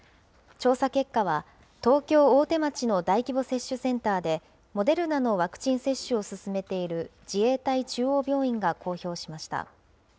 調査結果は、東京・大手町の大規模接種センターで、モデルナのワクチン接種を進めている自衛隊中央病院が公表しました。